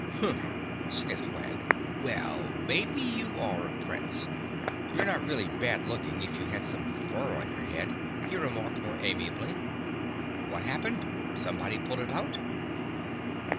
"Humph!" sniffed Wag. "Well, maybe you are a Prince. You're not really bad looking if you had some fur on your head," he remarked more amiably. "What happened? Somebody pull it out?"